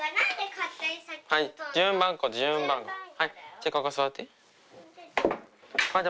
じゃここ座って。